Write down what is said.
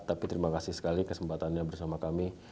tapi terima kasih sekali kesempatannya bersama kami